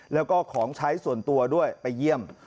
แล้วก็ของใช้ส่วนตัวด้วยไปเยี่ยม